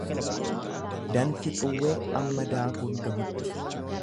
Danfi xuwwee amma daakuun gahutti.